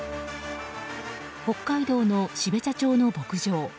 北海道の標茶町の牧場。